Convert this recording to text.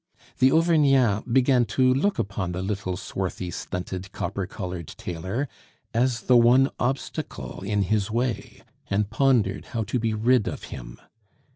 The Auvergnat began to look upon the little, swarthy, stunted, copper colored tailor as the one obstacle in his way, and pondered how to be rid of him.